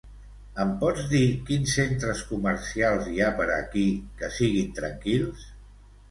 Em pots dir quins centres comercials hi ha per aquí que siguin tranquils?